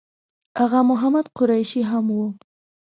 آغا محمد قریشي هم و.